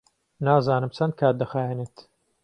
نازانم چەند کات دەخایەنێت.